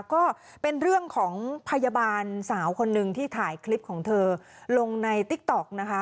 ก็เป็นเรื่องของพยาบาลสาวคนหนึ่งที่ถ่ายคลิปของเธอลงในติ๊กต๊อกนะคะ